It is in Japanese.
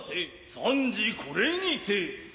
暫時これにて。